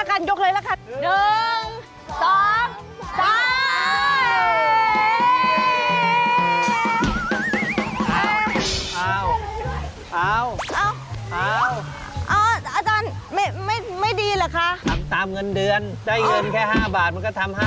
ขั้นตอนต่อไปก็คือการยกพิมพ์ค่า